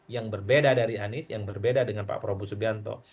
yang berbeda dari anies yang berbeda dengan pak prabowo subianto